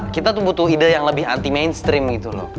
kita tuh butuh ide yang lebih anti mainstream gitu loh